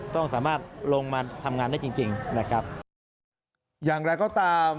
ต้องสามารถลงมาทำงานได้จริงอย่างไรก็ตาม